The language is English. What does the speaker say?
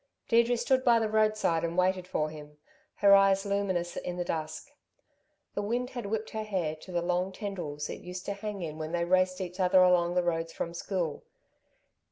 Deirdre stood by the roadside and waited for him, her eyes luminous in the dusk. The wind had whipped her hair to the long tendrils it used to hang in when they raced each other along the roads from school.